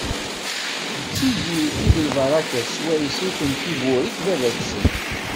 D tigi i d lbaṛakat swayes i ten-iburek baba-tsen.